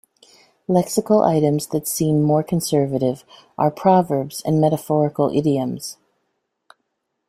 Lexical items that seem more conservative are proverbs and metaphorical idioms.